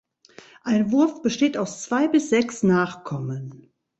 Ein Wurf besteht aus zwei bis sechs Nachkommen.